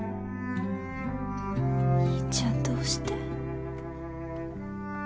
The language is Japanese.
兄ちゃんどうして？